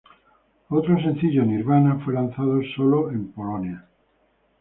Otro sencillo, "Nirvana", fue lanzado sólo en Polonia.